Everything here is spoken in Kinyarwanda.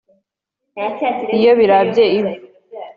Iyo birabye ivu